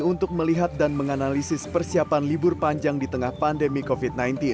untuk melihat dan menganalisis persiapan libur panjang di tengah pandemi covid sembilan belas